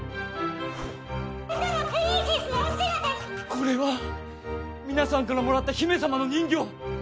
これは皆さんからもらった姫様の人形！